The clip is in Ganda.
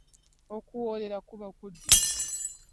Okuwoolera kuba kuddiza.